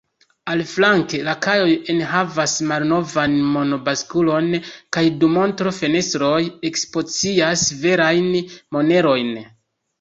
Aliflanke, la kajoj enhavas malnovan mon-baskulon kaj du montro-fenestroj ekspozicias verajn monerojn.